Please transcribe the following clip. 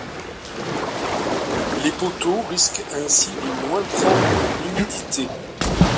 Les poteaux risquent ainsi de moins prendre l'humidité.